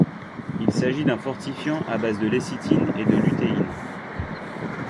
Il s'agit d'un fortifiant à base de lécithine et de lutéine.